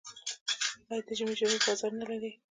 آیا د ژمي جامې بازار نلري؟